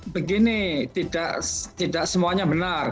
begini tidak semuanya benar